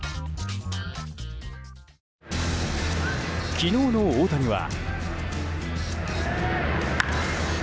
昨日の大谷は。